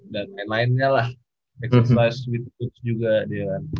dan lain lainnya lah exercise with coach juga dia kan